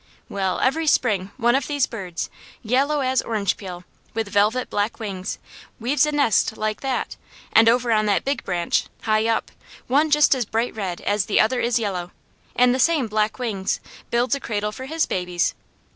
Well, every spring one of these birds, yellow as orange peel, with velvet black wings, weaves a nest like that, and over on that big branch, high up, one just as bright red as the other is yellow, and the same black wings, builds a cradle for his babies.